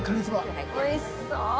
おいしそう。